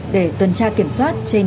để tuần tra kiểm soát trên các tuyến đường